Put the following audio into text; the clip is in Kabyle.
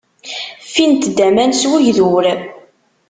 Ffint-d aman s ugdur.